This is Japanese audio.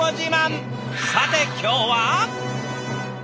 さて今日は？